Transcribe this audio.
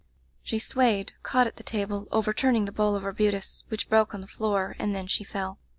'*' "She swayed, caught at the table, over turning the bowl of arbutus, which broke on the floor, and then she fell.